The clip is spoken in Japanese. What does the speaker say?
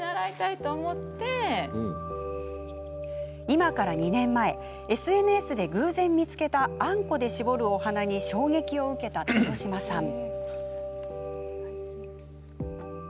今から２年前ＳＮＳで偶然見つけたあんこで絞るお花に衝撃を受けた豊島さん。